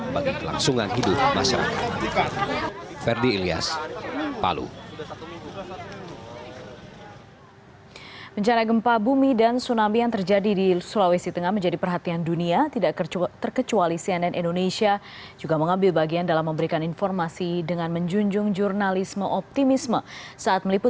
bagi kelangsungan hidup masyarakat ferdy ilyas palu